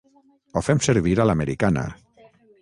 Ho fem servir a l'americana.